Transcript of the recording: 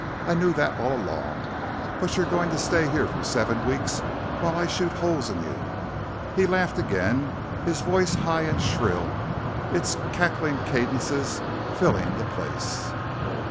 I knew that all along. But you're going to stay here for seven weeks while I shoot holes in you!" He laughed again, his voice high and shrill, its cackling cadences filling the place.